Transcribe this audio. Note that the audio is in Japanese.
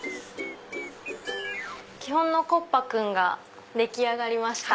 基本のコッパクンが出来上がりました。